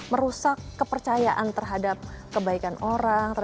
merusak kepercayaan terhadap kebaikan orang